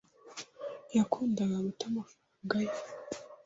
Yakundaga guta amafaranga ye.